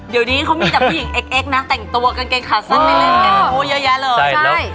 เดี๋ยวนี้เขามีแต่ผู้หญิงเอ็กนะแต่งตัวกางเกงคัดสั้นไม่เล่นกางเกงโมเยอะเลย